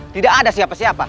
tidak ada yang menjaga